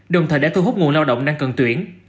đồng thời đã thu hút nguồn lao động đang cần tuyển